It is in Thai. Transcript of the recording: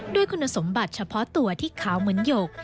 ด้วยคุณสมบัติเฉพาะตัวที่ขาวเหมือนหยก